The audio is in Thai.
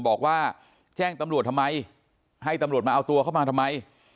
บอกว่าแจ้งตำรวจทำไมให้ตำรวจมาเอาตัวเข้ามาทำไม